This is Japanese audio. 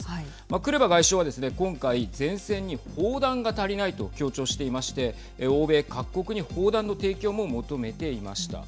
クレバ外相はですね、今回前線に砲弾が足りないと強調していまして欧米各国に砲弾の提供も求めていました。